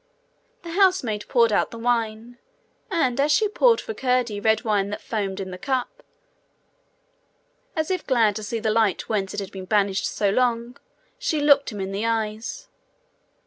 The housemaid poured out the wine; and as she poured for Curdie red wine that foamed in the cup, as if glad to see the light whence it had been banished so long, she looked him in the eyes.